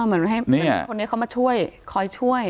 เหมือนให้คนนี้เขามาช่วยคอยช่วย